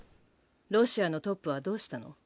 ロシアのトップはどうしたの？